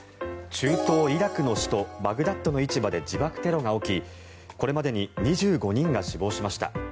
中東イラクの首都バグダッドの市場で自爆テロが起き、これまでに２５人が死亡しました。